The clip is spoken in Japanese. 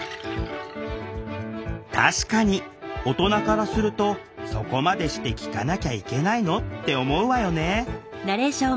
確かに大人からすると「そこまでして聴かなきゃいけないの？」って思うわよね。